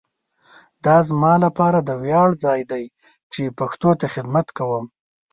دا زما لپاره د ویاړ ځای دی چي پښتو ته خدمت کوؤم.